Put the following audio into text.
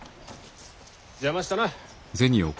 邪魔したな。